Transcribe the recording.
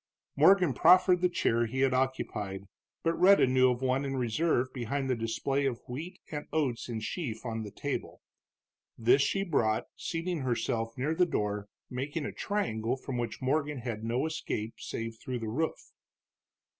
Morgan proffered the chair he had occupied, but Rhetta knew of one in reserve behind the display of wheat and oats in sheaf on the table. This she brought, seating herself near the door, making a triangle from which Morgan had no escape save through the roof.